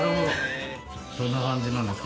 どんな感じなんですか？